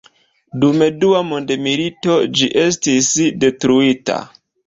Dum Dua mondmilito ĝi estis detruita.